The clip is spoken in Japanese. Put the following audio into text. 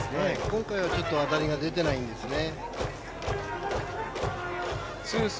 今回は当たりが出てないんですね。